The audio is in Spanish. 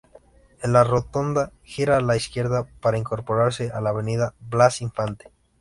En la rotonda, gira a la izquierda para incorporarse a la Avenida Blas Infante.